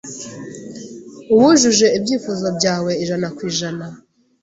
uwujuje ibyifuzo byawe ijana ku ijana